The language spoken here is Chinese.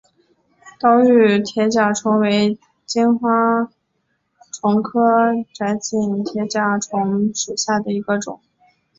岛屿铁甲虫为金花虫科窄颈铁甲虫属下的一个种。